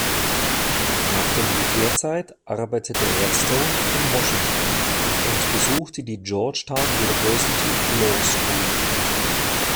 Nach der Militärzeit arbeitete Redstone in Washington und besuchte die Georgetown University Law School.